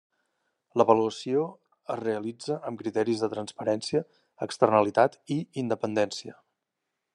L'avaluació es realitza amb criteris de transparència, externalitat i independència.